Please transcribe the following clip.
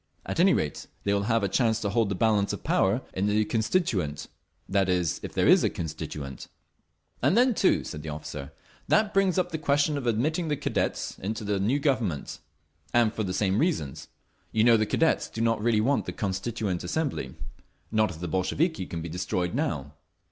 At any rate, they will have a chance to hold the balance of power in the Constituent—that is, if there is a Constituent." "And then, too," said the officer, "that brings up the question of admitting the Cadets into the new Government—and for the same reasons. You know the Cadets do not really want the Constituent Assembly—not if the Bolsheviki can be destroyed now."